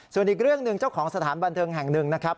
ส่วนอีกเรื่องหนึ่งเจ้าของสถานบันเทิงแห่งหนึ่งนะครับ